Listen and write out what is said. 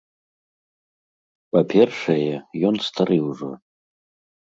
Па-першае, ён стары ўжо.